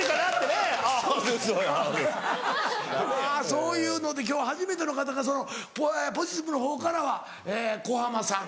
そういうので今日初めての方がそのポジティブのほうからは小浜さん。